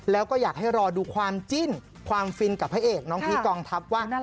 แล้วก็อยากให้รอดูความจิ้นความฟินกับพระเอกน้องพีคกองทัพว่า